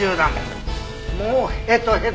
もうヘトヘトだよ。